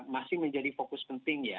masih menjadi fokus penting ya